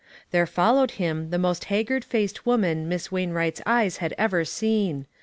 There followed him the most hag gard faced woman Miss Wainwright's eyes had ever seen.